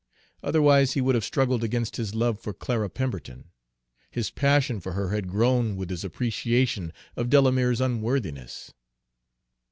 Otherwise he would have struggled against his love for Clara Pemberton. His passion for her had grown with his appreciation of Delamere's unworthiness.